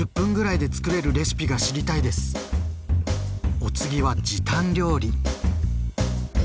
お次は時短料理。